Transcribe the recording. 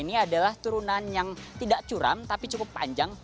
ini adalah turunan yang tidak curam tapi cukup panjang